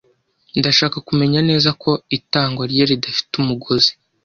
Ndashaka kumenya neza ko itangwa rye ridafite umugozi.